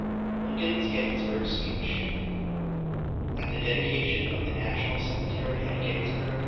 LINCOLN'S GETTYSBURG SPEECH AT THE DEDICATION OF THE NATIONAL CEMETERY AT GETTYSBURG, PA.